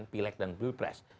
pilek dan pilpres